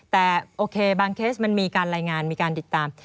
แต่โอเคบางเคสมันมีการรายงานมีการติดตาม